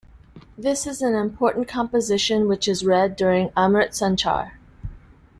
This is an important composition which is read during Amrit Sanchar.